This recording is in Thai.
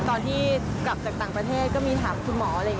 ตอนที่กลับจากต่างประเทศก็มีถามคุณหมอ